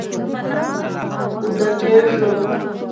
اوده کیږم